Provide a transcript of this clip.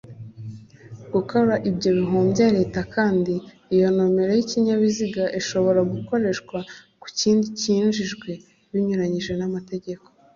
Gukora ibyo bihombya Leta kandi iyo nomero y’ikinyabiziga ishobora gukoreshwa ku kindi kinjijwe binyuranye n’amategeko